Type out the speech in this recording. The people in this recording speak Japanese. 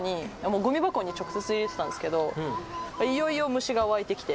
ごみ箱に直接入れてたんですけどいよいよ虫が湧いてきて。